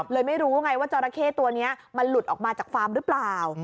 ไม่รู้ไงว่าจราเข้ตัวนี้มันหลุดออกมาจากฟาร์มหรือเปล่า